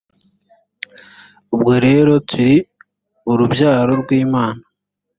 ubwo rero turi urubyaro rw imana .